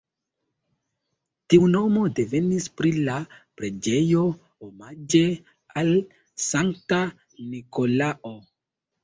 Tiu nomo devenis pri la preĝejo omaĝe al Sankta Nikolao.